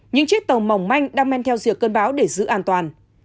những chiếc tàu mỏng manh đang men theo rượt cơn bão để giữ an toàn